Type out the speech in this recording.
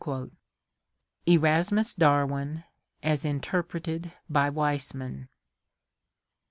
(Erasmus Darwin, as interpreted by Weis mann.)